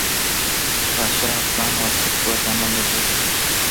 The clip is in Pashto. پاچا افغان او آصف دوه زامن درلودل.